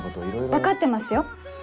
分かってますよ